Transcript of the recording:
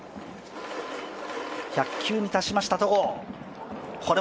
１００球に達しました戸郷。